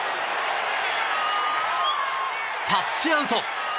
タッチアウト！